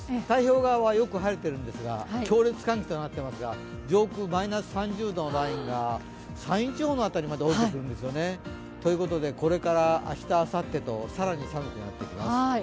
太平洋側はよく晴れているんですが強烈寒気となっていますが上空マイナス３０度のラインが山陰地方の辺りまでおりてくるんですよね。ということでこれから明日、あさってと、更に寒くなっていきます。